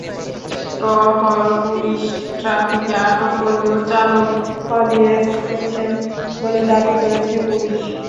টহল পুলিশ ট্রাকটিকে আটক করলেও চালক পালিয়ে গেছেন বলে দাবি করেছে পুলিশ।